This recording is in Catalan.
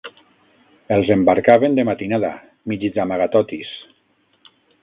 Els embarcaven de matinada, mig d'amagatotis